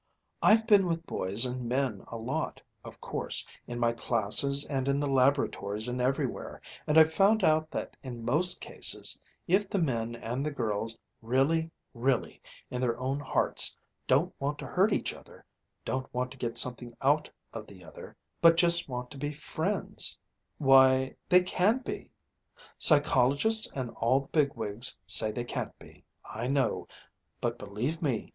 "I've been with boys and men a lot, of course, in my classes and in the laboratories and everywhere, and I've found out that in most cases if the men and the girls really, really in their own hearts don't want to hurt each other, don't want to get something out of the other, but just want to be friends why, they can be! Psychologists and all the big wigs say they can't be, I know but, believe me!